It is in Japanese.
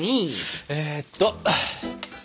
えっと。